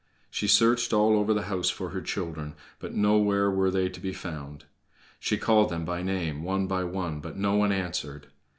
She searched all over the house for her children, but nowhere were they to be found. She called them by name, one by one, but no one answered.